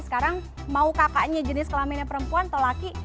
sekarang mau kakaknya jenis kelaminnya perempuan atau laki